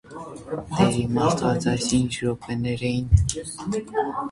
Տե՛ր իմ աստված, այն ի՞նչ րոպեներ էին…